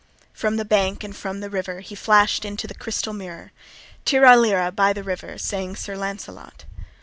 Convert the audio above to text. From the bank and from the river He flash'd into the crystal mirror, "Tirra lirra," by the river Sang Sir Lancelot.